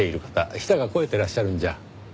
舌が肥えていらっしゃるんじゃ？